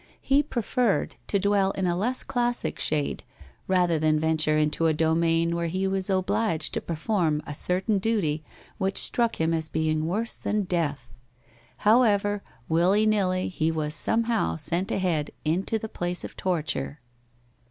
He preferred to dwell in a less classic shade rather than venture into a domain where he was obliged to perform a certain duty which struck him as being worse than death. However, willy nilly, he was somehow sent ahead into the place of torture.